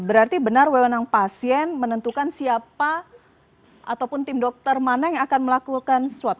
berarti benar wewenang pasien menentukan siapa ataupun tim dokter mana yang akan melakukan swab